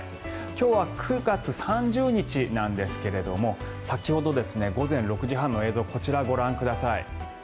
今日は９月３０日なんですが先ほど午前６時半の映像こちらご覧ください。